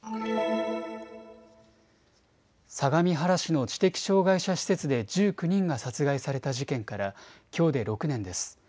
相模原市の知的障害者施設で１９人が殺害された事件からきょうで６年です。